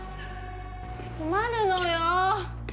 困るのよ。